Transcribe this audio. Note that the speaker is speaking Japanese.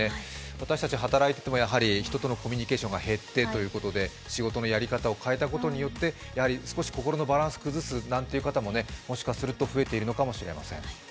私たち働いていても人とのコミュニケーションが減って仕事のやり方を変えたことによつて少し心のバランスを崩すなんて方ももしかすると、増えているのかもしれません。